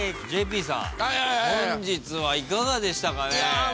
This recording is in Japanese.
ＪＰさん本日はいかがでしたかね？